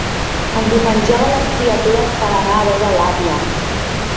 Endiumenjava les criatures per anar a veure l'àvia.